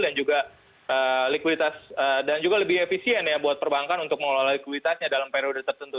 juga likuiditas dan juga lebih efisien ya buat perbankan untuk mengelola likuiditasnya dalam periode tertentu